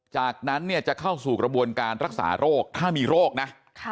จากนั้นเนี่ยจะเข้าสู่กระบวนการรักษาโรคถ้ามีโรคนะ